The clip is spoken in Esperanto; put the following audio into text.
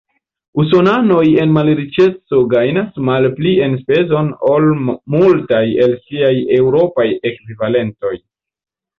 Usonanoj en malriĉeco gajnas malpli enspezon ol multaj el siaj eŭropaj ekvivalentoj.